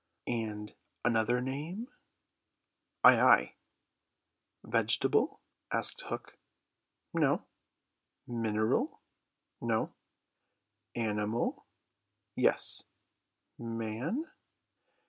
"And another name?" "Ay, ay." "Vegetable?" asked Hook. "No." "Mineral?" "No." "Animal?" "Yes." "Man?"